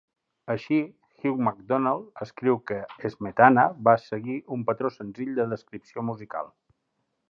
Així, Hugh Macdonald escriu que Smetana va seguir "un patró senzill de descripció musical".